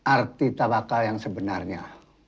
arti tawakal yang sebenarnya